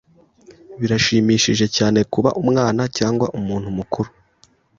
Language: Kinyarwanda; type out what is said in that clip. Birashimishije cyane kuba umwana cyangwa umuntu mukuru?